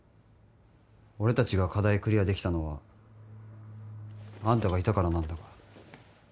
俺たちが課題クリアできたのはあんたがいたからなんだから。